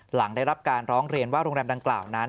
หลังได้รับการร้องเรียนว่าโรงแรมดังกล่าวนั้น